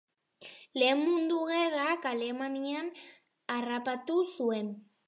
Lehen Mundu Gerrak Alemanian harrapatu zuen.